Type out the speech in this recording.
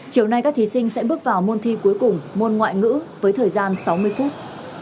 chiều nay các thí sinh sẽ bước vào môn thi cuối cùng môn ngoại ngữ với thời gian sáu mươi phút